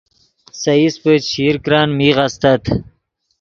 سے ایسپے چشیر کرن میغ استت